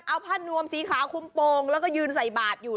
เอาผ้านวมสีขาวคุมโปรงแล้วก็ยืนใส่บาทอยู่